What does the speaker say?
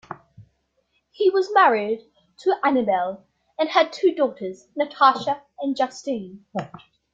He was married to Annabel, and had two daughters, Natasha and Justine.